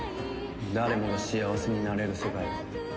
誰もが幸せになれる世界を。